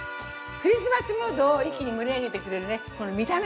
クリスマスムードを一気に盛り上げてくれるね見た目！